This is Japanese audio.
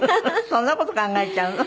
そんな事考えちゃうの？